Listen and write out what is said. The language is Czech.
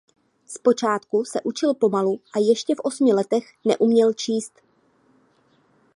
Zpočátku se učil pomalu a ještě v osmi letech neuměl číst.